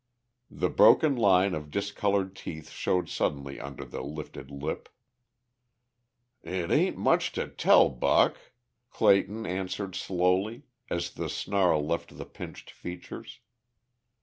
The broken line of discolored teeth showed suddenly under the lifted lip. "It ain't much to tell, Buck," Clayton answered slowly as the snarl left the pinched features.